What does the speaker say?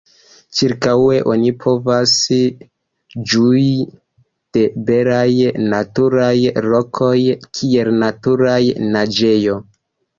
Ĉirkaŭe oni povas ĝui de belaj naturaj lokoj, kiel natura naĝejo.